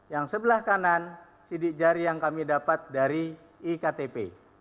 yang sebelah kanan sidik jari yang kami dapat dari iktp